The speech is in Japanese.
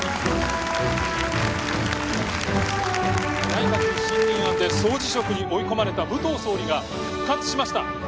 「内閣不信任案で総辞職に追い込まれた武藤総理が復活しました！」